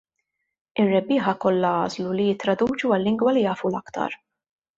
Ir-rebbieħa kollha għażlu li jittraduċu għal-lingwa li jafu l-aktar.